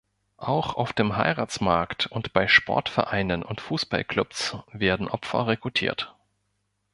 Auch auf dem Heiratsmarkt und bei Sportvereinen und Fußballclubs werden Opfer rekrutiert.